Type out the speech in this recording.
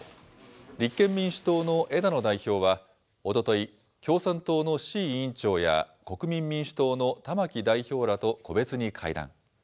立憲民主党の枝野代表は、おととい、共産党の志位委員長や国民民主党の玉木代表らと個別に会談。